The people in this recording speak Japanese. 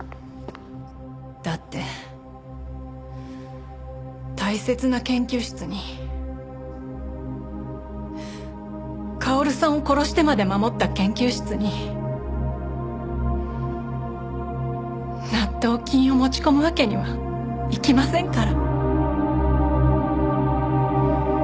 だって大切な研究室に薫さんを殺してまで守った研究室に納豆菌を持ち込むわけにはいきませんから。